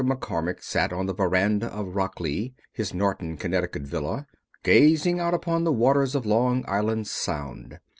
McCormack sat on the veranda of Rocklea, his Noroton, Connecticut, villa, gazing out upon the waters of Long Island Sound.